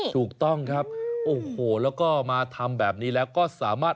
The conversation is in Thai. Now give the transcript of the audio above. ถูกต้องครับโอ้โหแล้วก็มาทำแบบนี้แล้วก็สามารถ